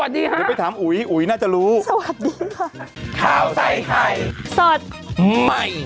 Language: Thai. บางทีแค่อยากจะรู้ว่า